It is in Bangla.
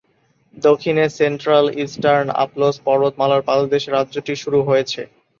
দক্ষিণে সেন্ট্রাল ইস্টার্ন আল্পস পর্বতমালার পাদদেশে রাজ্যটির শুরু হয়েছে।